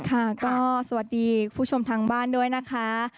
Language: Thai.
ค่ะก็สวัสดีคุณผู้ชมทางบ้านด้วยนะคะ